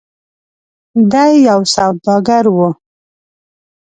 د ی یو سوداګر و.